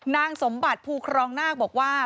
นางสมบัติภูครองนาคบอกว่า